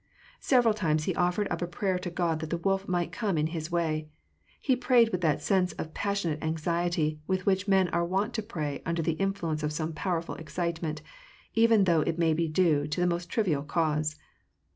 Several times he offered up a prayer to Grod that the wolf might come in his way : he prayed with that sense of passion ate anxiety with which men are wont to pray under the influ ence of some powerful excitement, even though it may be due )k> the most trivial cause.